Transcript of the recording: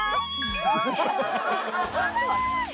すごい！